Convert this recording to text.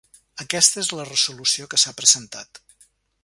Aquesta és la resolució que s’ha presentat.